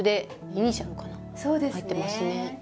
入ってますね。